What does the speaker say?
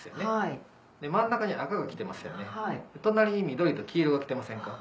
隣に緑と黄色が来てませんか？